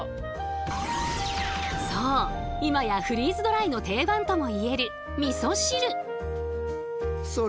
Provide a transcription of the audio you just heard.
そう今やフリーズドライの定番とも言えるみそ汁。